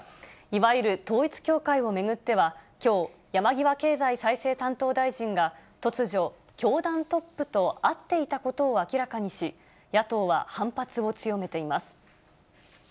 いわゆる統一教会を巡っては、きょう、山際経済再生担当大臣が、突如、教団トップと会っていたことを明らかにし、野党は反発を強めています。